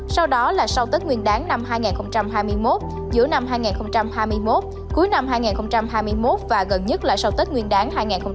sau đó là sau tết nguyên đáng năm hai nghìn hai mươi một giữa năm hai nghìn hai mươi một cuối năm hai nghìn hai mươi một và gần nhất là sau tết nguyên đáng hai nghìn hai mươi bốn